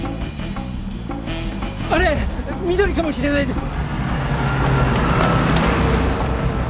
あれ翠かもしれないです！